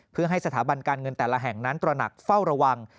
เพื่อให้สถาบันการเงินแต่ละแห่งนั้นตระหนักเฝ้าระวัง